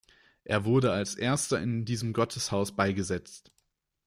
Er wurde als erster in diesem Gotteshaus beigesetzt.